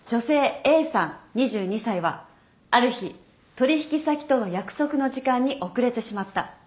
２２歳はある日取引先との約束の時間に遅れてしまった。